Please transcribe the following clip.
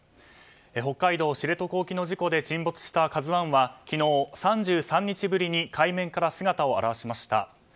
北海道知床沖の事故で沈没した「ＫＡＺＵ１」は昨日、３３日ぶりに海面から姿を現しました。